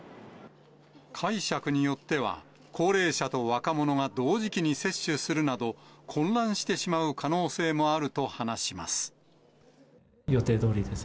解釈によっては、高齢者と若者が同時期に接種するなど、混乱してしまう可能性もあると話します。